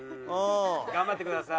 頑張ってください。